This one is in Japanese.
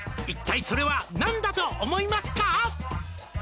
「一体それは何だと思いますか？」